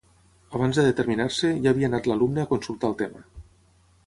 Abans de determinar-se, ja havia anat l'alumne a consultar el tema.